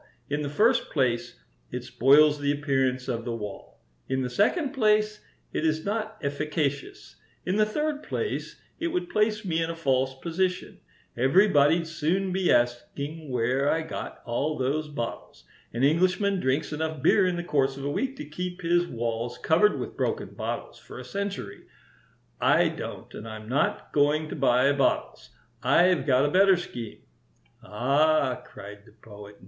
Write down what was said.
In the first place, it spoils the appearance of the wall; in the second place, it is not efficacious; in the third place, it would place me in a false position. Everybody'd soon be asking where I got all those bottles. An Englishman drinks enough beer in the course of a week to keep his walls covered with broken bottles for a century. I don't, and I'm not going to buy bottles. I've got a better scheme." "Ah!" cried the Poet.